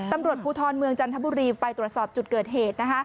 ตำรวจภูทรเมืองจันทบุรีไปตรวจสอบจุดเกิดเหตุ